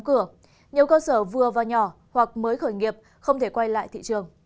cửa nhiều cơ sở vừa vào nhỏ hoặc mới khởi nghiệp không thể quay lại thị trường